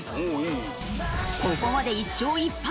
ここまで１勝１敗。